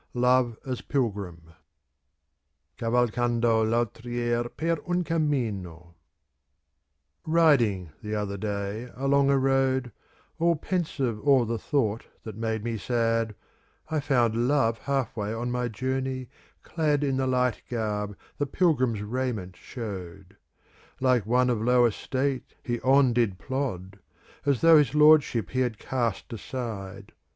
LOVE AS PILGRIM Cavalcando /' altr^ ier per un cammino Riding the other day along a road, All pensive o'er the thought that made me sad, I found Love half way on my journey, clad In the light garb that pilgrim's raiment showed. Like one of low estate he on did plod, * As though his lordship he had cast aside.